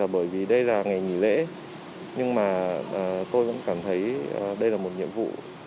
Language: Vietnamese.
bởi vì đây là ngày nghỉ lễ nhưng mà tôi cũng cảm thấy đây là một nhiệm vụ